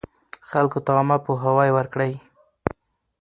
خلکو ته عامه پوهاوی ورکړئ.